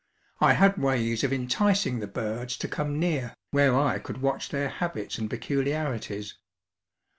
I had ways of enticing the birds to come near where I could watch their habits and peculiarities.